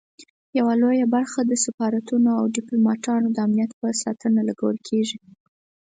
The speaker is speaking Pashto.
یوه لویه برخه د سفارتونو او ډیپلوماټانو د امنیت په ساتنه لګول کیږي.